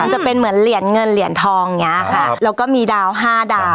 จะเป็นเหมือนเหรียญเงินเหรียญทองอย่างนี้ค่ะแล้วก็มีดาวห้าดาว